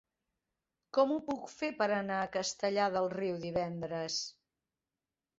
Com ho puc fer per anar a Castellar del Riu divendres?